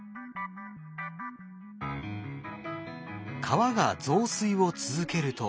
川が増水を続けると。